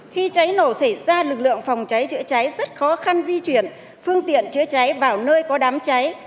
khi cháy nổ xảy ra lực lượng phòng cháy chữa cháy rất khó khăn di chuyển phương tiện chữa cháy vào nơi có đám cháy